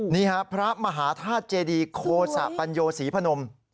นี่ครับพระมหาธาตุเจดีโคสะปัญโยศรีพนม